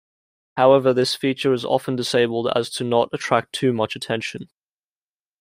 However, this feature is often disabled as to not attract too much attention.